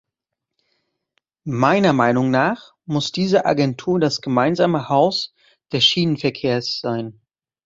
Meiner Meinung nach muss diese Agentur das gemeinsame Haus des Schienenverkehrs sein.